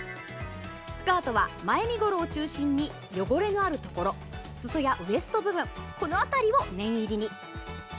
スカートは前身ごろを中心に汚れのあるところすそやウエスト部分この辺りを念入りに。